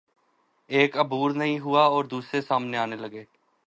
ایک عبور نہیں ہوا اور دوسرے سامنے آنے لگے۔